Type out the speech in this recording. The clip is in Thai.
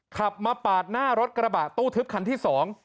ขับมาปาดหน้ารถกระบะตู้ทึบคันที่สอง